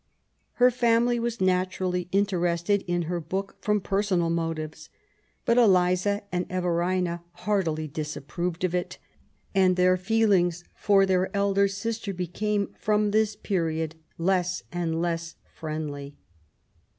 Her family were naturally interested in her book from personal motives ; but Eliza and Everina heartily dis approved of it, and their feelings for their eldest sister became, from this period, less and less friendly.